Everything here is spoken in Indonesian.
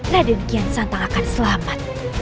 raden akihan santan akan selamat